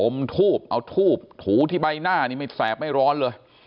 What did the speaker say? ทูบเอาทูบถูที่ใบหน้านี่ไม่แสบไม่ร้อนเลย